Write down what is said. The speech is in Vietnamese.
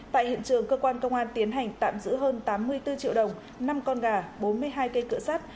tại hiện trường cơ quan công an tiến hành tạm giữ hơn tám mươi bốn triệu đồng năm con gà bốn mươi hai cây cựa sắt